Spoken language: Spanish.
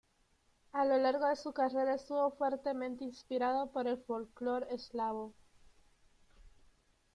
A largo de su carrera, estuvo fuertemente inspirado por el folclore eslavo.